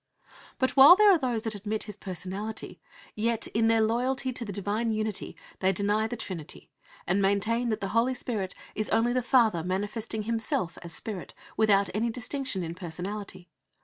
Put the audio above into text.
But, while there are those that admit His personality, yet in their loyalty to the Divine Unity they deny the Trinity, and maintain that the Holy Spirit is only the Father manifesting Himself as Spirit, without any distinction in personality.